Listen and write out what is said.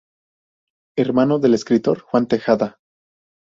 Hermano del escritor Juan Tejeda.